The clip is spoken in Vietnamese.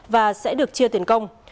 và sẽ được chia tiền công